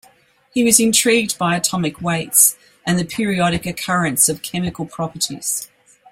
He was intrigued by atomic weights and the periodic occurrence of chemical properties.